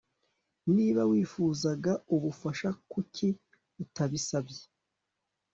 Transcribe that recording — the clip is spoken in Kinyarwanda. Niba wifuzaga ubufasha kuki utabisabye